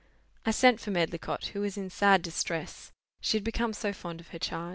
I sent for Medlicott, who was in sad distress, she had become so fond of her charge.